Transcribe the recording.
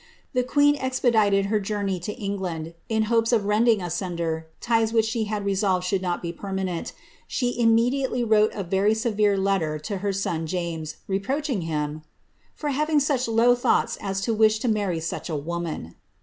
The queen expedited her journey to England, in hopes of rending asunder ties which she resolved should not be permanent ; she immediately wrote a very severe letter to her son James, reproaching him ^ for having such low thoughts as to wish to marry such a woman."